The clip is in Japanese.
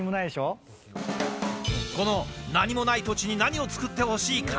この何もない土地に何を作ってほしいか。